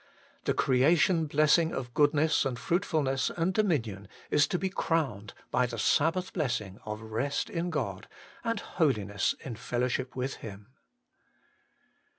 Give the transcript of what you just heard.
The Creation blessing, of goodness and fruitfulness and dominion, is to be crowned by the Sabbath blessing of rest in God and holiness in fellowship with Him.